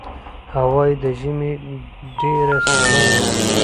هوا یې د ژمي ډېره سړه ده.